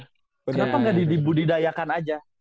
kenapa gak di budidayakan aja